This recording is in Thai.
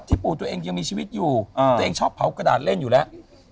ปู่ตัวเองยังมีชีวิตอยู่ตัวเองชอบเผากระดาษเล่นอยู่แล้ว